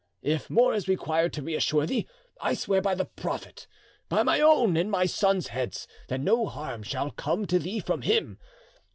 If more is required to reassure thee, I swear by the Prophet, by my own and my sons' heads, that no harm shall come to thee from him.